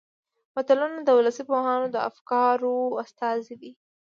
متلونه د ولسي پوهانو د افکارو استازي دي